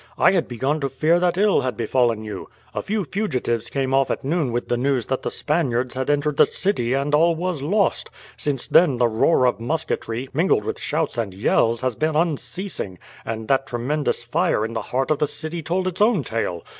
"I had begun to fear that ill had befallen you. A few fugitives came off at noon with the news that the Spaniards had entered the city and all was lost. Since then the roar of musketry, mingled with shouts and yells, has been unceasing, and that tremendous fire in the heart of the city told its own tale.